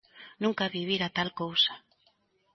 Nunca vivira tal cousa.